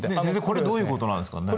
これどういうことなんですかね？